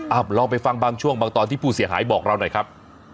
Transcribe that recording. ลองไปฟังบางช่วงบางตอนที่ผู้เสียหายบอกเราหน่อยครับ